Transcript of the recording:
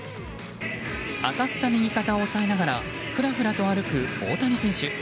当たった右肩を押さえながらふらふらと歩く大谷選手。